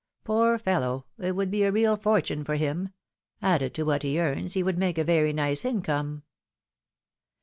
Poor fellow! it would be a real fortune for him ! Added to what he earns, it would make a very nice income